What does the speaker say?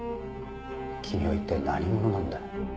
君は一体何者なんだ？